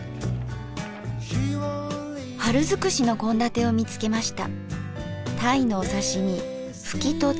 春づくしの献立を見つけました。